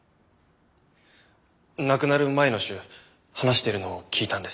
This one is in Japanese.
亡くなる前の週話しているのを聞いたんです。